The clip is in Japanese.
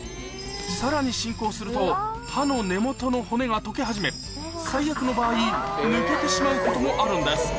さらに進行すると歯の根元の骨が溶け始め最悪の場合抜けてしまうこともあるんです